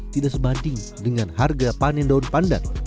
tidak sebanding dengan harga panen daun pandan